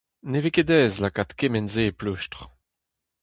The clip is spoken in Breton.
Ne vez ket aes lakaat kement-se e pleustr…